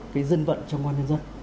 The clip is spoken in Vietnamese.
cái dân vận trong quan nhân dân